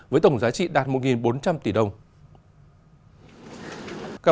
với tổng giá trị đạt một bốn trăm linh tỷ đô la